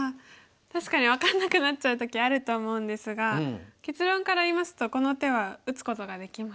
確かに分かんなくなっちゃう時あると思うんですが結論から言いますとこの手は打つことができます。